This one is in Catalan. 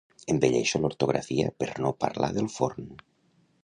Embelleixo l'ortografia per no parlar del forn.